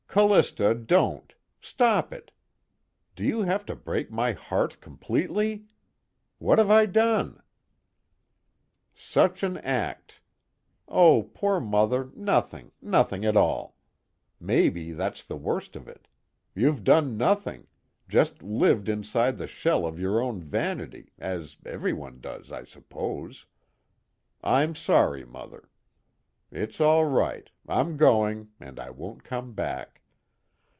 "Callista, don't! Stop it! Do you have to break my heart completely? What have I done?" "'Such an act' oh, poor Mother, nothing, nothing at all. Maybe that's the worst of it. You've done nothing, just lived inside the shell of your own vanity as everyone does, I suppose. I'm sorry, Mother. It's all right, I'm going, and I won't come back.